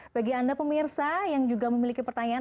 bagi anda pemirsa yang juga memiliki pertanyaan